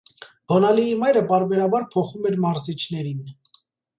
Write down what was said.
Բոնալիի մայրը պարբերաբար փոխում էր մարզիչներին։